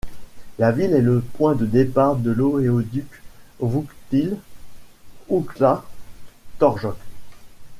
La ville est le point de départ de l'oléoduc Vouktyl - Oukhta - Torjok.